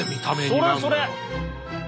それそれ。